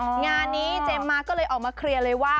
งานนี้เจมส์มาก็เลยออกมาเคลียร์เลยว่า